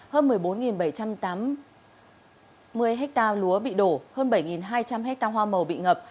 hơn một mươi bốn bảy trăm tám mươi hectare lúa bị đổ hơn bảy hai trăm linh hectare hoa màu bị ngập